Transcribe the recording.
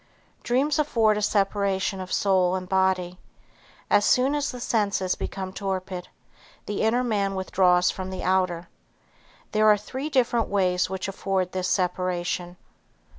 Dreams afford a separation of soul and body. As soon as the senses become torpid, the inner man withdraws from the outer. There are three different ways which afford this separation.